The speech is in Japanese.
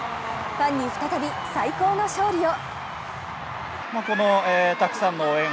ファンに再び最高の勝利を。